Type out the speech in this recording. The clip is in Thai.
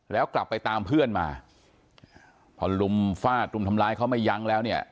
แล้วกลับไปตามเพื่อนมาพอลุมฟาดรุมทำร้ายเขาไม่ยั้งแล้วเนี่ย